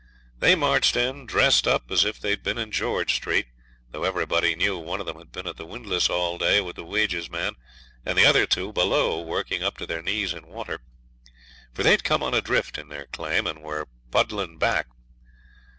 They marched in, dressed up as if they'd been in George Street, though everybody knew one of 'em had been at the windlass all day with the wages man, and the other two below, working up to their knees in water; for they'd come on a drift in their claim, and were puddling back.